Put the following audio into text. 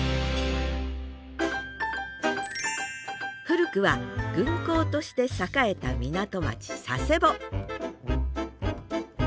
古くは軍港として栄えた港町佐世保